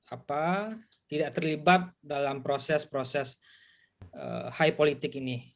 apa tidak terlibat dalam proses proses high politik ini